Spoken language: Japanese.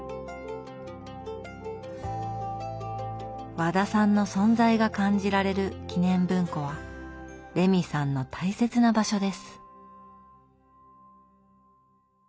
和田さんの存在が感じられる記念文庫はレミさんの大切な場所です。